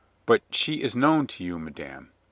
But she is known to you, madame.